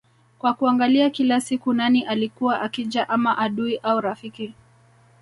kwa kuangalia kila siku nani alikuwa akija ama adui au rafiki